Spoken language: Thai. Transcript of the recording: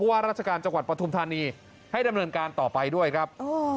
ว่าราชการจังหวัดปฐุมธานีให้ดำเนินการต่อไปด้วยครับ